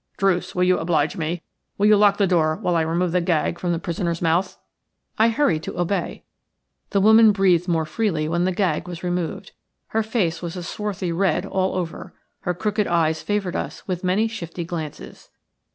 Druce, will you oblige me – will you lock the door while I remove the gag from the prisoner's mouth?" I hurried to obey. The woman breathed more freely when the gag was removed. Her face was a swarthy red all over. Her crooked eyes favoured us with many shifty glances.